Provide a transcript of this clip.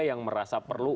yang merasa perlu